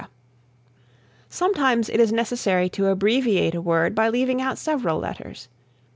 Sometimes it is necessary to abbreviate a word by leaving out several letters.